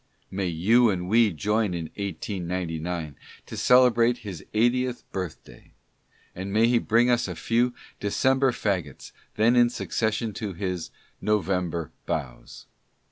May you and we join in 1899 to celebrate his eightieth birth day ! And may he bring us a few December Fagots then in succession to his " November Boughs